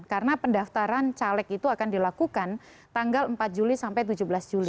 karena pendaftaran caleg itu akan dilakukan tanggal empat juli sampai tujuh belas juli